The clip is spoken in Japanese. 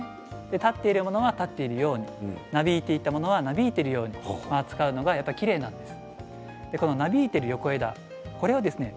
立っているものは立っているようになびいていたものはなびいているように使うのがきれいなんです